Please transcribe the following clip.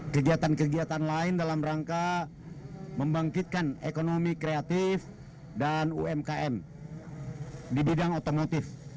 kegiatan kegiatan lain dalam rangka membangkitkan ekonomi kreatif dan umkm di bidang otomotif